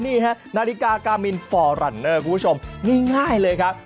นี่ฮะนาฬิกากามินฟอรันเนอร์คุณผู้ชมง่ายเลยครับ